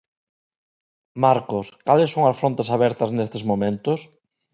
Marcos, cales son as frontes abertas nestes momentos?